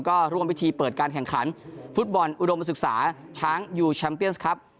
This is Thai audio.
ก็ร่วมพิธีเปิดการแข่งขันฟุตบอลอุดมศึกษาช้างยูแชมเปียนส์ครับ